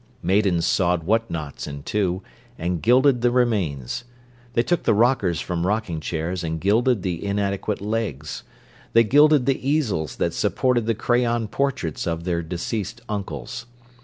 Maidens sawed what nots in two, and gilded the remains. They took the rockers from rocking chairs and gilded the inadequate legs; they gilded the easels that supported the crayon portraits of their deceased uncles.